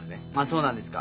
そうなんですか？